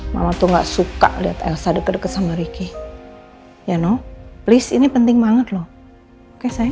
mama tuh enggak suka lihat elsa deket deket sama ricky ya no please ini penting banget loh oke saya